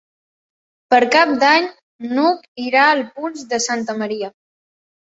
Per Cap d'Any n'Hug irà al Puig de Santa Maria.